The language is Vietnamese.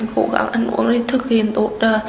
cố gắng ăn uống đi thực hiện tốt